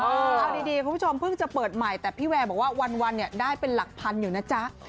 เอาดีคุณผู้ชมเพิ่งจะเปิดใหม่แต่พี่แวร์บอกว่าวันเนี่ยได้เป็นหลักพันอยู่นะจ๊ะ